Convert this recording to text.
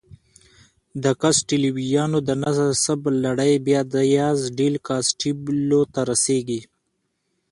د کاسټیلویانو د نسب لړۍ بیا دیاز ډیل کاسټیلو ته رسېږي.